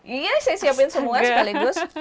iya saya siapin semua sekaligus